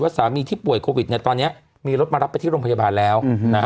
ว่าสามีที่ป่วยโควิดตอนนี้มีรถมารับไปที่โรงพยาบาลแล้ว